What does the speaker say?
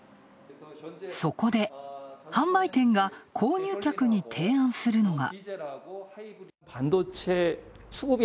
そこで、販売店が購入客に提案するのが。